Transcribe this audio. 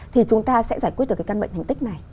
thì chúng ta sẽ giải quyết được cái căn bệnh thành tích này